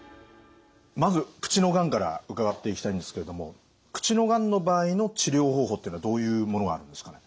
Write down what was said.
まず口のがんから伺っていきたいんですけれども口のがんの場合の治療方法っていうのはどういうものがあるんですかね？